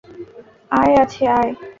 আয় কাছে আয়।